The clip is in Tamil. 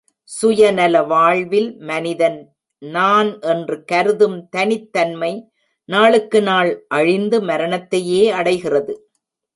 சுயநல வாழ்வில் மனிதன் நான் என்று கருதும் தனித் தன்மை நாளுக்கு நாள் அழிந்து மரணத்தையே அடைகிறது.